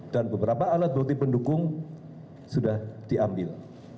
dan beberapa alat protip pendukung sudah diambil